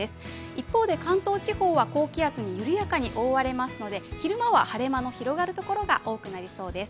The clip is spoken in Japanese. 一方で関東地方は高気圧に緩やかに覆われますので昼間は晴れ間の広がるところが多くなりそうです。